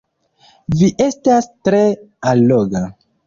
Vi estas tre alloga!